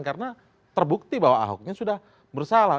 karena terbukti bahwa ahoknya sudah bersalah